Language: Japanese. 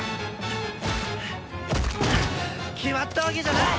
決まったわけじゃない！